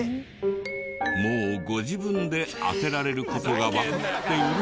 もうご自分で当てられる事がわかっているはず。